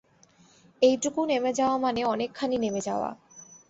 এইটুকু নেমে যাওয়া মানে অনেকখানি নেমে যাওয়া।